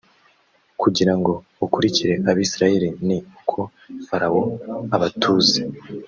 kugira ngo akurikire abisirayeli ni uko Farawo abatuze